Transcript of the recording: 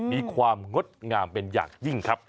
มีความงดงามเป็นอย่างยิ่งครับ